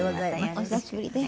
お久しぶりです。